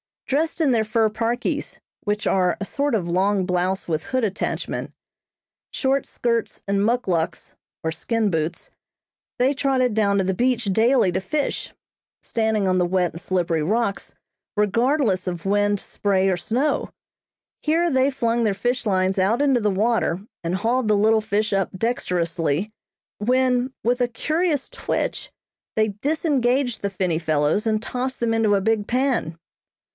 Dressed in their fur parkies, which are a sort of long blouse with hood attachment, short skirts and muckluks, or skin boots, they trotted down to the beach daily to fish, standing on the wet and slippery rocks, regardless of wind, spray or snow. Here they flung their fish lines out into the water and hauled the little fish up dexterously; when, with a curious twitch they disengaged the finny fellows and tossed them into a big pan.